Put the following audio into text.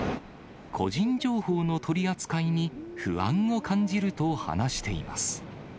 個人情報の取り扱いに不安を感じると話しています。